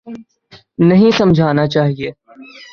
نہیں سمجھانا چاہیے۔